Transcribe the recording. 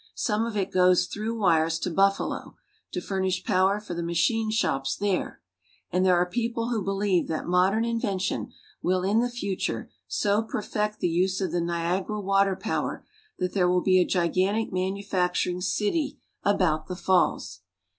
Some of it goes through wires to Buffalo, to furnish power for the machine shops there ; and there are people who believe that modern invention will in the future so perfect the use of the Niagara water power that there will be a gigantic manufacturing city about the falls.